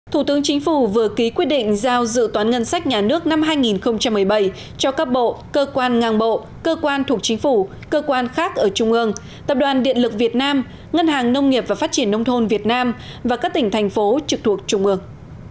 thủ tướng chính phủ vừa ký quyết định giao dự toán ngân sách nhà nước năm hai nghìn một mươi bảy cho các bộ cơ quan ngang bộ cơ quan thuộc chính phủ cơ quan khác ở trung ương tập đoàn điện lực việt nam ngân hàng nông nghiệp và phát triển nông thôn việt nam và các tỉnh thành phố trực thuộc trung ương